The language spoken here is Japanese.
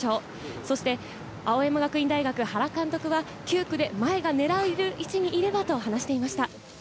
そして青山学院大学・原監督は９区で前が狙える位置にいればと話していました。